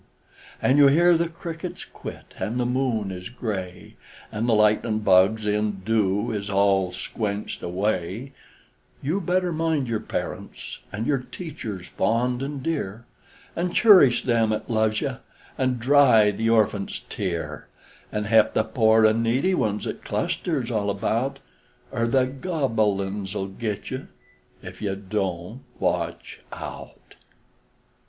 An' you hear the crickets quit, an' the moon is gray, An' the lightnin' bugs in dew is all squenched away, You better mind yer parents, and yer teachers fond and dear, An' churish them 'at loves you, an' dry the orphant's tear, An' he'p the pore an' needy ones 'at clusters all about, Er the Gobble uns'll git you Ef you Don't Watch Out!